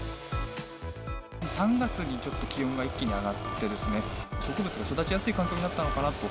３月にちょっと気温が一気に上がって、植物が育ちやすい環境になったのかなと。